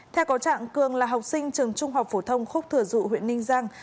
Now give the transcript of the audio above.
theo có trạng cường là học sinh trường trung học phổ thông khúc thừa dụ huyện ninh giang